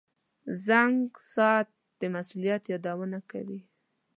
• زنګ ساعت د مسؤلیت یادونه کوي.